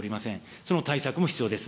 その対策も必要です。